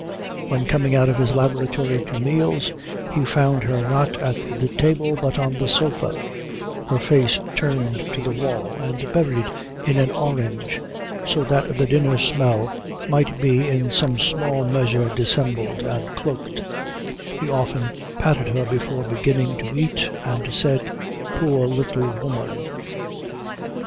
When, coming out of his laboratory to meals, he found her not at the table but on the sofa, her face turned to the wall and buried in an orange so that the dinner smell might be in some small measure dissembled and cloaked, he often patted her before beginning to eat and said, "Poor little woman."